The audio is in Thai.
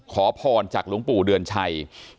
ขอพรจากหลวงปู่เดือนชัย